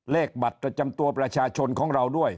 เลขบัตรประจำตัวประชาชนของเราด้วย